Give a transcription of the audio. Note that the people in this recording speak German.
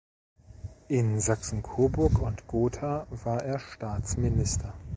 In Sachsen-Coburg und Gotha war er Staatsminister.